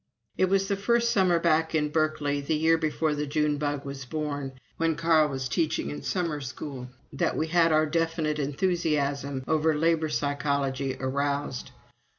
It was that first summer back in Berkeley, the year before the June Bug was born, when Carl was teaching in Summer School, that we had our definite enthusiasm over labor psychology aroused.